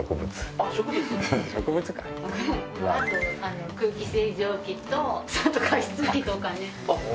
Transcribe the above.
あと空気清浄機とあと加湿器とかね。